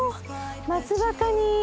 松葉かに。